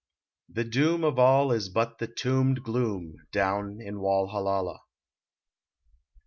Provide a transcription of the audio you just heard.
The doom Of all is but the tombed gloom Down in Walhallalah.